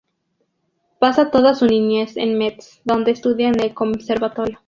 Pasa toda su niñez en Metz, donde estudia en el conservatorio.